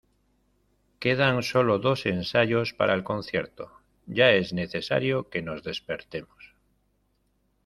Quedan sólo dos ensayos para el concierto, ya es necesario que nos despertemos.